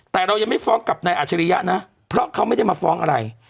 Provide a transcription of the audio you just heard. แต่เรายังไม่ฟ้องกับนายอาชริยะนะเพราะเขาไม่ได้มาฟ้องอะไร